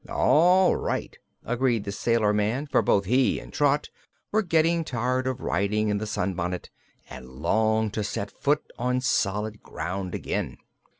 "All right," agreed the sailor man, for both he and Trot were getting tired of riding in the sunbonnet and longed to set foot on solid ground again.